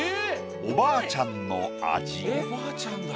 おばあちゃんだ。